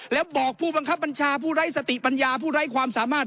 แล้วบอกผู้บังคับบัญชาผู้ไร้สติปัญญาผู้ไร้ความสามารถ